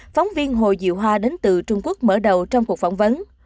phóng viên hồ diệu hoa đến từ trung quốc mở đầu trong cuộc phỏng vấn